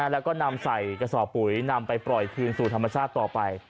แล้วก็นำใส่กระสอบปุ๋ยนำไปปล่อยคืนสู่ธรรมชาติต่อไป